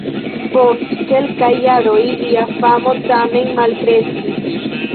Post kelkaj jaroj lia famo tamen malkreskis.